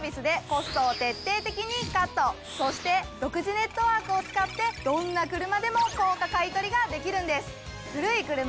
そして独自ネットワークを使ってどんな車でも高価買取ができるんです！